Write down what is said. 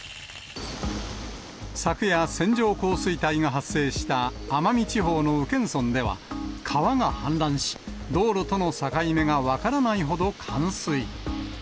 昨夜、線状降水帯が発生した奄美地方の宇検村では、川が氾濫し、道路との境目が分からないほど冠水。